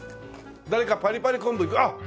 誰かパリパリ昆布あっ！